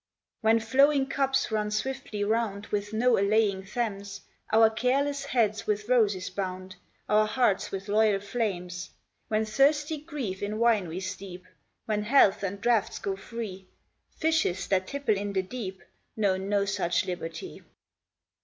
2 When flowing cups run swiftly round With no allaying Thames, Our careless heads with roses bound, Our hearts with loyal flames; When thirsty grief in wine we steep, When healths and draughts go free, Fishes, that tipple in the deep, Know no such liberty.